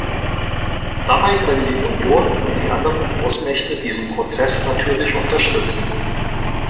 Dabei können die Union und die anderen Großmächte diesen Prozess natürlich unterstützen.